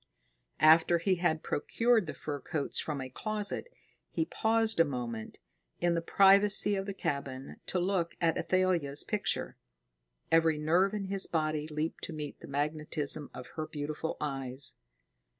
After he had procured the fur coats from a closet, he paused a moment, in the privacy of the cabin, to look at Athalia's picture. Every nerve in his body leaped to meet the magnetism of her beautiful eyes.